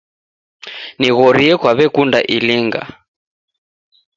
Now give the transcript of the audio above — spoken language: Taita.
Nighorie kwawekunda ilinga?